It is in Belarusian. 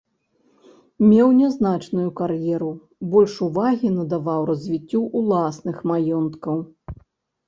Меў нязначную кар'еру, больш увагі надаваў развіццю ўласных маёнткаў.